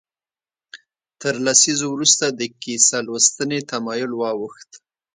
تر لسیزو وروسته د کیسه لوستنې تمایل واوښت.